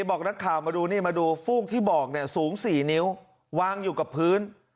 บอกนักข่าวมาดูพูกที่บอกสูง๔เนิ้ววางอยู่กับพื้น